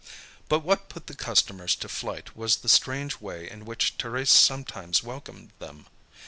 But what put the customers to flight was the strange way in which Thérèse sometimes welcomed them.